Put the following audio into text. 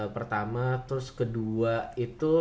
pertama terus kedua itu